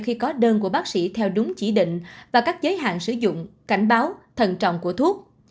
khi có đơn của bác sĩ theo đúng chỉ định và các giới hạn sử dụng cảnh báo thần trọng của thuốc